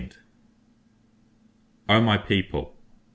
P: And O my people!